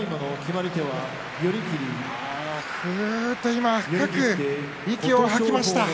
ふうっと深く息を吐きました。